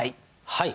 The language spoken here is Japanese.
はい。